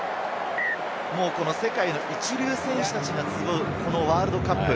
世界の一流選手たちが集うワールドカップ。